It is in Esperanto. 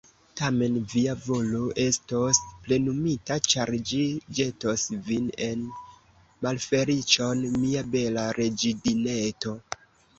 Tamen via volo estos plenumita, ĉar ĝi ĵetos vin en malfeliĉon, mia bela reĝidineto.